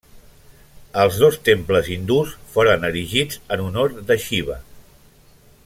Els dos temples hindús foren erigits en honor de Xiva.